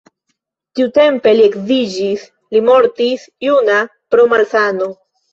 Tiutempe li edziĝis, li mortis juna pro malsano.